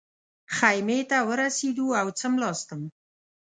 خیمې ته ورسېدو او څملاستم.